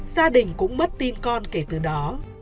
gia đình cũng mất tin con kể từ đó